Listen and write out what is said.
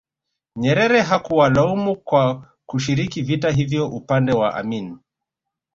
Nyerere hakuwalaumu kwa kushiriki vita hivyo upande wa Amin